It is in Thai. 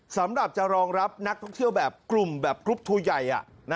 สำหรับจะรองรับนักท่องเที่ยวแบบกลุ่มแบบกรุ๊ปทัวร์ใหญ่